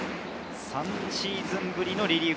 ３シーズンぶりのリリー